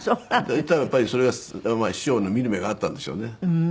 やっぱりそれは師匠の見る目があったんでしょうね。